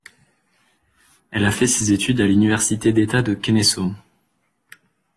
Elle a fait ses études à l'Université d'État de Kennesaw.